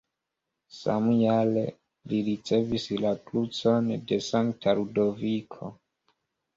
Samjare, li ricevis la krucon de Sankta Ludoviko.